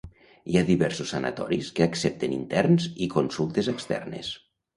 Hi ha diversos sanatoris que accepten interns i consultes externes.